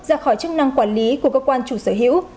ra khỏi chức năng quản lý của cơ quan chủ sở hữu